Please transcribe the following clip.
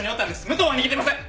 武藤は逃げてません。